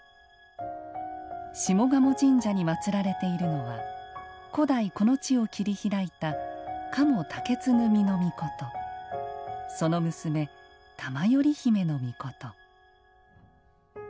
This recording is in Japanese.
下鴨神社にまつられているのは古代、この地を切り開いた賀茂建角身命その娘、玉依媛命。